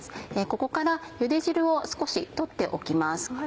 ここからゆで汁を少し取っておきます。